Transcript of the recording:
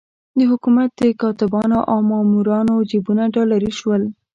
د حکومت د کاتبانو او مامورانو جېبونه ډالري شول.